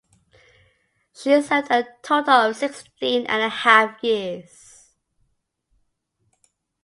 She served a total of sixteen and a half years.